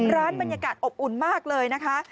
บรรยากาศอบอุ่นมากเลยนะคะ